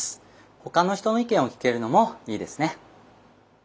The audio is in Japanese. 他の人の意見を聞けるのもいいですね。